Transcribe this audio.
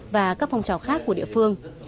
và các phong trào khác của địa phương